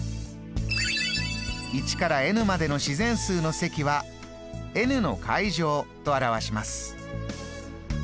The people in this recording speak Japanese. １からｎまでの自然数の積はｎの階乗と表します。